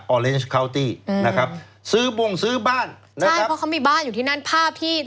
อเลนสคาวตี้อืมนะครับซื้อบ้งซื้อบ้านนะฮะใช่เพราะเขามีบ้านอยู่ที่นั่นภาพที่